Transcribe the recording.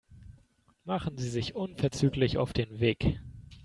Machen Sie sich unverzüglich auf den Weg.